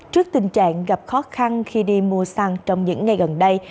trước tình trạng gặp khó khăn khi đi mua xăng trong những ngày gần đây